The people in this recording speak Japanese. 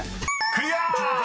［クリア！］